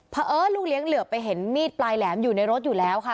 เพราะเอิญลูกเลี้ยงเหลือไปเห็นมีดปลายแหลมอยู่ในรถอยู่แล้วค่ะ